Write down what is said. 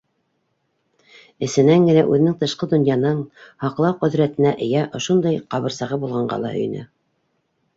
Эсенән генә үҙенең тышҡы донъянан һаҡлау ҡөҙрәтенә эйә ошондай ҡабырсағы булғанға ла һөйөнә.